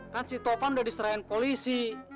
kan si topan udah diserahin polisi